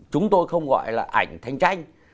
chúng tôi không gọi là ảnh thanh tranh